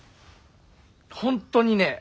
本当にねえ。